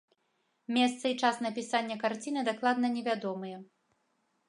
Месца і час напісання карціны дакладна невядомыя.